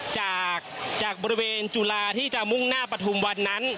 จากจากบริเวณจุฬาที่จะมุ่งหน้าปฐุมวันนั้น